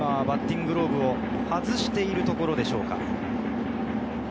バッティンググローブを外しているところでしょうか。